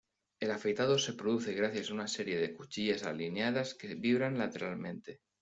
El afeitado se produce gracias a una serie de cuchillas alineadas que vibran lateralmente.